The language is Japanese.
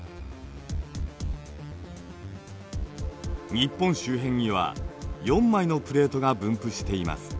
日本周辺には４枚のプレートが分布しています。